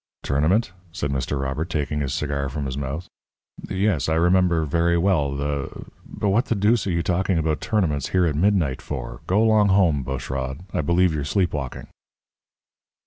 "Tournament?" said Mr. Robert, taking his cigar from his mouth. "Yes, I remember very well the but what the deuce are you talking about tournaments here at midnight for? Go 'long home, Bushrod. I believe you're sleep walking."